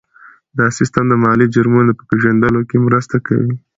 دا سیستم د مالي جرمونو په پېژندلو کې مرسته کوي.